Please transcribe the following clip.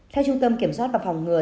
theo trung tâm kiểm soát và phòng ngừa